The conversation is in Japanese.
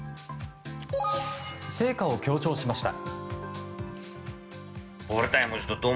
成果を強調しました。